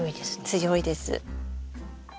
強いです。